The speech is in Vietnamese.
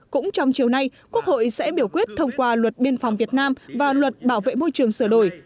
cũng trong chiều nay quốc hội sẽ biểu quyết thông qua luật biên phòng việt nam và luật bảo vệ môi trường sửa đổi